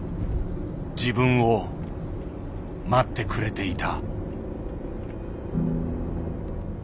自分を待ってくれていた。